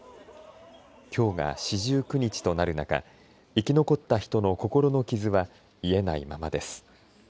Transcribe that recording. きょうが四十九日となる中、生き残った人の心の傷は癒えないままです。